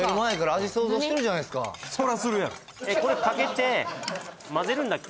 これかけて混ぜるんだっけ？